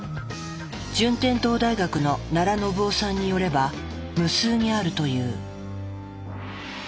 順天堂大学の奈良信雄さんによれば無数にあるという。